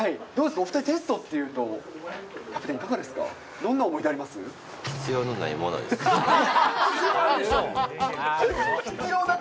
お２人、テストっていうとキャプテン、いかがですか？